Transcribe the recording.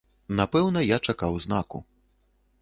Напэўна, я чакаў знаку.